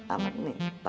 amat nih tau